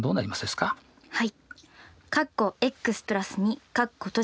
はい。